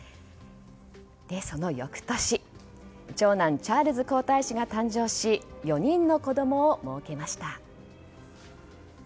その翌年長男チャールズ皇太子が誕生し４人の子供をもうけました。